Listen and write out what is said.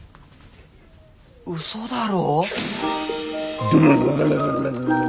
うそだろ？